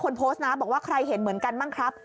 คนโพสต์นะบอกว่าใครเห็นเหมือนกันบ้างครับ